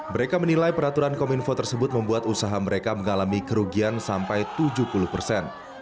mereka menilai peraturan kominfo tersebut membuat usaha mereka mengalami kerugian sampai tujuh puluh persen